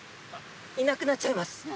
いなくなっちゃいます。